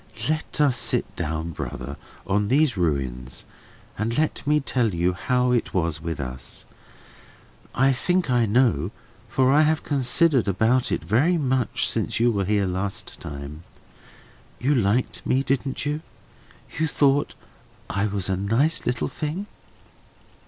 Let us sit down, brother, on these ruins, and let me tell you how it was with us. I think I know, for I have considered about it very much since you were here last time. You liked me, didn't you? You thought I was a nice little thing?"